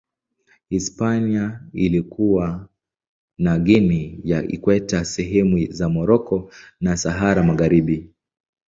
Hispania ilikuwa na Guinea ya Ikweta, sehemu za Moroko na Sahara Magharibi.